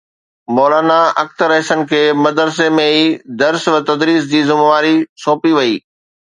مولانا اختر احسن کي مدرسي ۾ ئي درس و تدريس جي ذميواري سونپي وئي